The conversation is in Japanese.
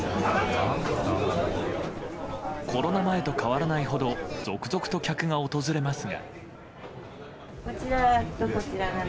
コロナ前と変わらないほど続々と客が訪れますが。